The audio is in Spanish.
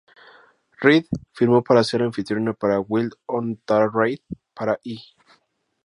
Reid firmó para ser anfitriona para "Wild On Tara Reid" para E!